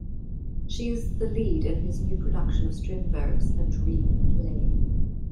She is the lead in his new production of Strindberg's "A Dream Play".